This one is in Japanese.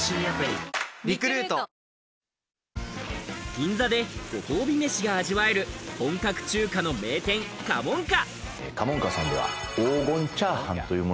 銀座でご褒美飯が味わえる本格中華の名店、過門香。